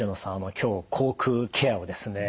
今日口腔ケアをですね